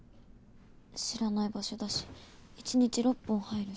知らない場所だし一日６本入るし。